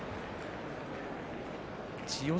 千代翔